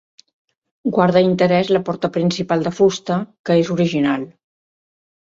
Guarda interès la porta principal de fusta, que és original.